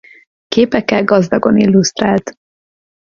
Képekkel gazdagon illusztrált.